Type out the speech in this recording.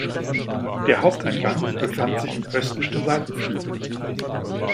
Der Haupteingang befand sich im östlichen Seitenflügel.